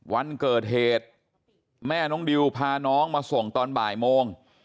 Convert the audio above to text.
วันเกิดเหตุแม่น้องดิวพาน้องมาส่งตอนบ่ายโมง